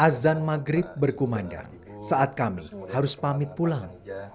azan maghrib berkumandang saat kami harus pamit pulang